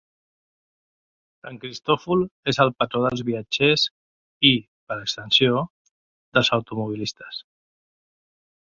Sant Cristòfol és el patró dels viatgers i, per extensió, dels automobilistes.